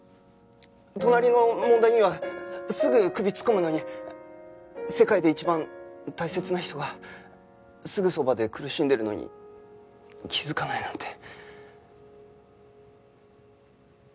隣の問題にはすぐ首突っ込むのに世界で一番大切な人がすぐそばで苦しんでるのに気づかないなんて。